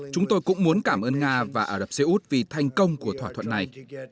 chúng tôi cũng muốn cảm ơn nga và ả rập xê út vì thành công của thỏa thuận này